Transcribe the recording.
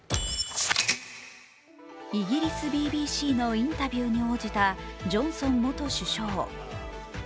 イギリスＢＢＣのインタビューに応じたジョンソン元首相。